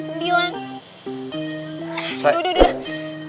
sudah sudah sudah